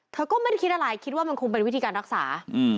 เธอก็ไม่ได้คิดอะไรคิดว่ามันคงเป็นวิธีการรักษา